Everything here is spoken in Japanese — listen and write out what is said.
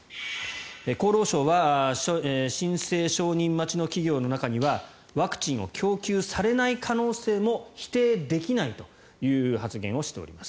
厚労省は申請承認待ちの企業の中にはワクチンを供給されない可能性も否定できないという発言をしています。